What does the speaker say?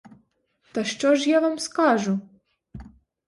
Та що ж я вам скажу?